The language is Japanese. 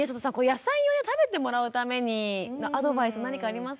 野菜を食べてもらうためにアドバイス何かありますか？